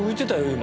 今。